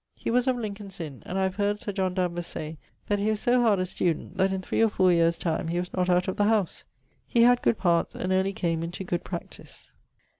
He was of Lincoln's Inne, and I have heard Sir John Danvers say that he was so hard a student, that in three or 4 yeares time he was not out of the howse. He had good parts, and early came into good practise.